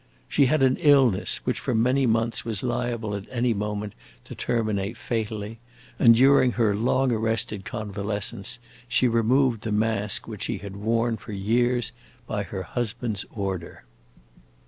She had an illness which for many months was liable at any moment to terminate fatally, and during her long arrested convalescence she removed the mask which she had worn for years by her husband's order.